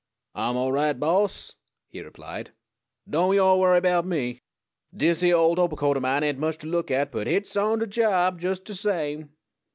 "Ah'm all right, Boss," he replied. "Don't yo' worry erbout me. Dis yere old obercoat o' mine ain't much to look at; but hit's on de job jes' de same."